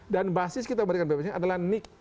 dan basis kita memberikan bpjs adalah nic